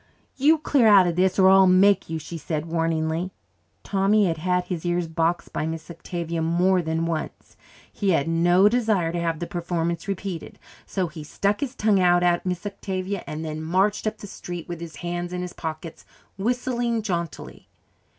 "You clear out of this or I'll make you," she said warningly. Tommy had had his ears boxed by Miss Octavia more than once. He had no desire to have the performance repeated, so he stuck his tongue out at Miss Octavia and then marched up the street with his hands in his pockets, whistling jauntily.